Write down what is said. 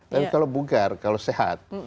tapi kalau bugar kalau sehat